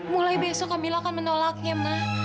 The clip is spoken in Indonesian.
mulai besok kamila akan menolaknya ma